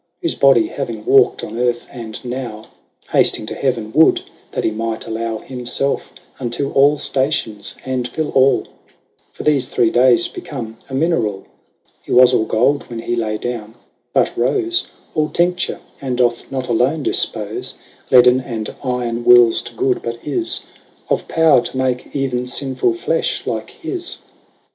Whofe body having walk'd on earth, and now Hafting to Heaven, would, that he might allow 10 Himfelfe unto all ftations, and fill all, For thefe three daies become a minerall ; Hee was all gold when he lay downe, but rofe All tincture, and doth not alone difpofe Leaden and iron wills to good, but is 15 Of power to make even finfull flem like his.